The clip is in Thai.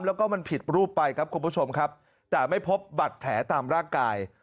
แล้วก็มันผิดรูปไปครับคุณผู้ชมครับแต่ไม่พบบัตรแผลตามร่างกาย